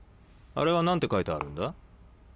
あれは何て書いてあるんだ？